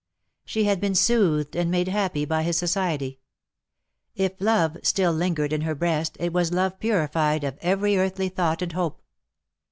She had been soothed and made happy by his society. If love still lingered in her breast it was love purified of every earthly thought and hope.